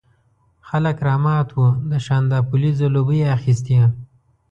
خلک رامات وو، د شانداپولي ځلوبۍ یې اخيستې.